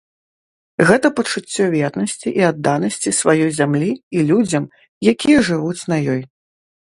Гэта пачуццё вернасці і адданасці сваёй зямлі і людзям, якія жывуць на ёй.